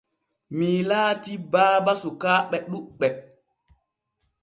Mii laati baba sukaaɓe ɗuɓɓe.